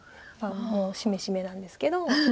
もうしめしめなんですけど。